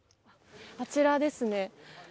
あちらですね。